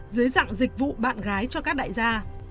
dưới dạng dịch vụ bạn gái cho các đại gia